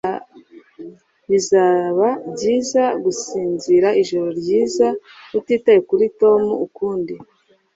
Bizaba byiza gusinzira ijoro ryiza utitaye kuri Tom ukundi.